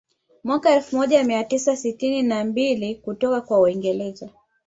Mwaka elfu moja mia tisa sitini na mbili kutoka kwa waingereza